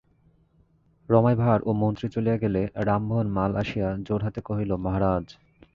রমাই ভাঁড় ও মন্ত্রী চলিয়া গেলে রামমোহন মাল আসিয়া জোড়হাতে কহিল, মহারাজ।